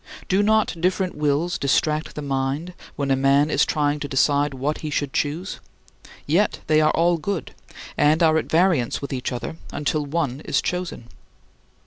Do not different wills distract the mind when a man is trying to decide what he should choose? Yet they are all good, and are at variance with each other until one is chosen.